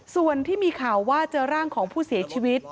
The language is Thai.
ส่วนที่มีข่าวว่าเจอร่างของผู้เสียชีวิต